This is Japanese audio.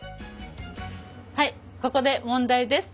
はいここで問題です。